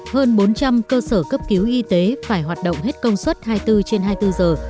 hơn bốn trăm linh cơ sở cấp cứu y tế phải hoạt động hết công suất hai mươi bốn trên hai mươi bốn giờ